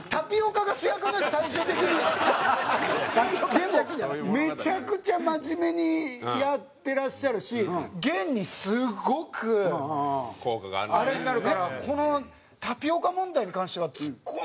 でもめちゃくちゃ真面目にやってらっしゃるし現にすごくあれになるからこのタピオカ問題に関しては。